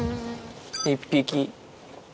１匹。